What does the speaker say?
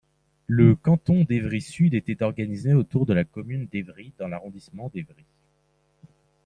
Le canton d’Évry-Sud était organisé autour de la commune d’Évry dans l’arrondissement d'Évry.